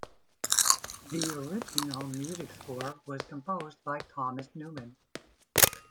The original music score was composed by Thomas Newman.